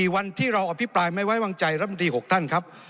๔วันที่เราอภิปรายไม้ไหววางใจลำดี๖ท่านครับ